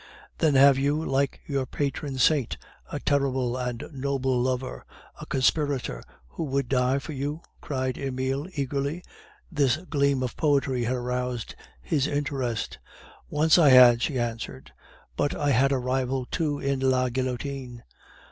"Then have you, like your patron saint, a terrible and noble lover, a conspirator, who would die for you?" cried Emile eagerly this gleam of poetry had aroused his interest. "Once I had," she answered. "But I had a rival too in La Guillotine.